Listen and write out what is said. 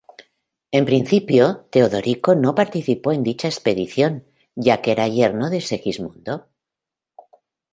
En principio, Teodorico no participó en dicha expedición, ya que era yerno de Segismundo.